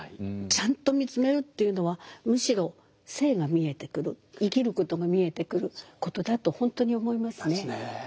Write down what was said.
ちゃんと見つめるっていうのはむしろ生が見えてくる生きることが見えてくることだと本当に思いますね。